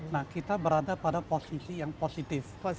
nah kita berada pada posisi yang positif